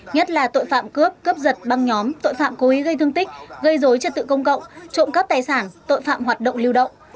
nhất là tội phạm cướp cướp giật băng nhóm tội phạm cố ý gây thương tích gây dối trật tự công cộng trộm cắp tài sản tội phạm hoạt động lưu động